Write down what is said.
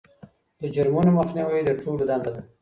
د جرمونو مخنیوی د ټولو دنده ده.